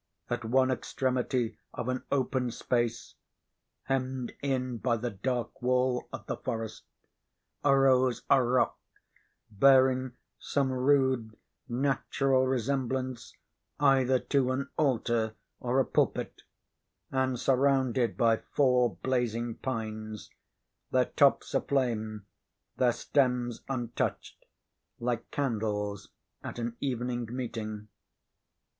At one extremity of an open space, hemmed in by the dark wall of the forest, arose a rock, bearing some rude, natural resemblance either to an altar or a pulpit, and surrounded by four blazing pines, their tops aflame, their stems untouched, like candles at an evening meeting.